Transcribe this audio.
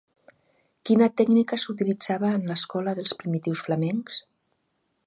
Quina tècnica s'utilitzava en l'Escola dels primitius flamencs?